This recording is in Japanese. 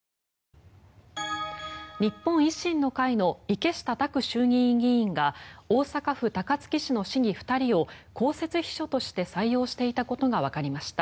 日本維新の会の池下卓衆議院議員が大阪府高槻市の市議２人を公設秘書として採用していたことがわかりました。